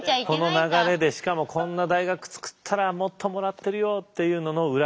この流れでしかもこんな大学作ったらもっともらってるよっていうのの裏来るパターンですよ。